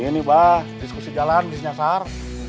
ini pak diskusi jalan diskusiasan